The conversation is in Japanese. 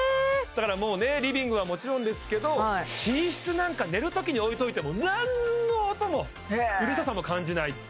だからリビングはもちろんですけど寝室なんか寝るときに置いといても何の音もうるささも感じない